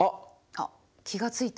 あっ気が付いた？